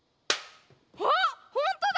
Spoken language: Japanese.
あっほんとだ！